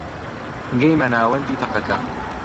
گەیمە ناوەندی تەقەکە